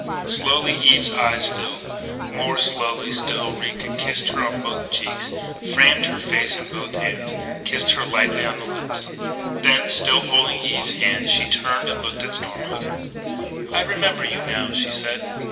Slowly Eve's eyes filled; more slowly still Ricca kissed her on both cheeks, framed her face in both hands, kissed her lightly on the lips. Then, still holding Eve's hands, she turned and looked at Stormont. "I remember you now," she said.